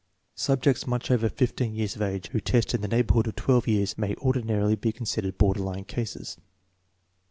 Subjects much over 15 years of age who test in the neighborhood of 1 years may ordinarily be considered border line cases.